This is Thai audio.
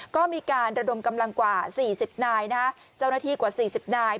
ก็มีการระดมกำลังกว่า๔๐นายนะเจ้าหน้าที่กว่า๔๐นาย